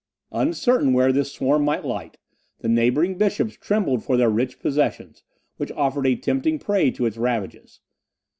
Uncertain where this swarm might light, the neighbouring bishops trembled for their rich possessions, which offered a tempting prey to its ravages.